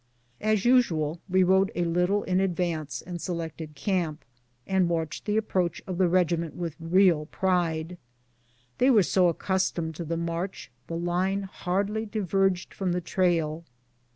As usual we rode a little in advance and selected camp, and watched the approach of the regiment with real pride. They were so accustomed to the march the line hardlj diverged from the trail.